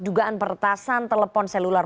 dugaan peretasan telepon seluler